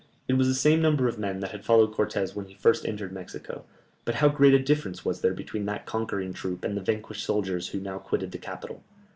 It was the same number of men that had followed Cortès when he first entered Mexico, but how great a difference was there between that conquering troop, and the vanquished soldiers who now quitted the capital.